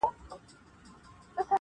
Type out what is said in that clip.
دوه قدمه فاصله ده ستا تر وصله,